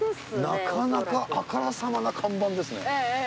なかなかあからさまな看板ですね。